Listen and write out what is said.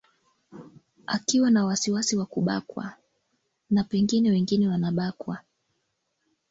akiwa na wasiwasi wa kubakwa na pengine wengine wanabakwa